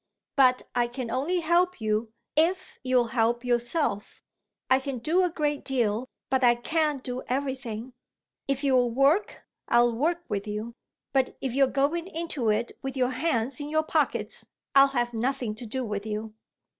But I can only help you if you'll help yourself. I can do a good deal, but I can't do everything. If you'll work I'll work with you; but if you're going into it with your hands in your pockets I'll have nothing to do with you."